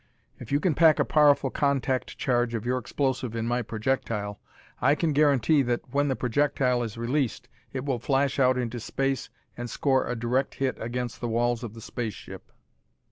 If you can pack a powerful contact charge of your explosive in my projectile, I can guarantee that when the projectile is released it will flash out into space and score a direct hit against the walls of the space ship."